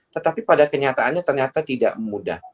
tetapi pada kenyataannya ternyata tidak mudah